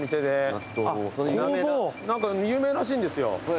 何か有名らしいんですよ。